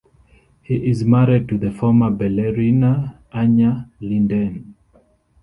He is married to the former ballerina Anya Linden.